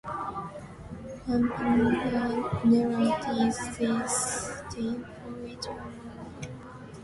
Pampinea narrates this tale, for which no known earlier source exists.